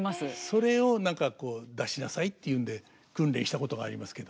それを出しなさいっていうんで訓練したことがありますけど。